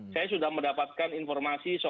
saya sudah mendapatkan informasi